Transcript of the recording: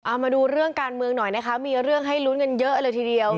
เอามาดูเรื่องการเมืองหน่อยนะคะมีเรื่องให้ลุ้นกันเยอะเลยทีเดียว